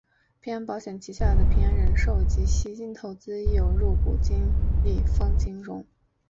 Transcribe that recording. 平安保险旗下的平安人寿及西京投资亦有入股金利丰金融。